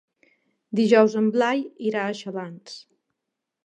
Dijous en Blai irà a Xalans.